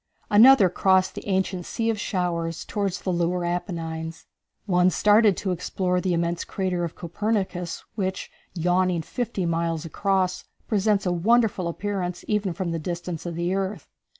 Another crossed the ancient Sea of Showers toward the lunar Apennines. One started to explore the immense crater of Copernicus, which, yawning fifty miles across, presents a wonderful appearance even from the distance of the earth.